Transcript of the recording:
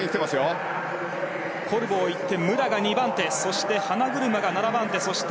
コルボー、１番手武良が２番手そして、花車が７番手。